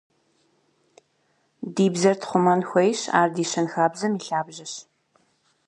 Ди бзэр тхъумэн хуейщ, ар ди щэнхабзэм и лъабжьэщ.